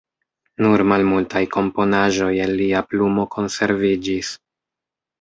Nur malmultaj komponaĵoj el lia plumo konserviĝis.